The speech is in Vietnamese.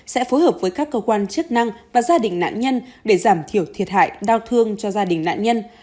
sẽ phối hợp với các cơ quan chức năng và gia đình nạn nhân để giảm thiểu thiệt hại đau thương cho gia đình nạn nhân